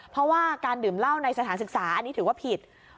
เพราะว่าการดื่มเหล้าในสถานศึกษาอันนี้ถือว่าผิด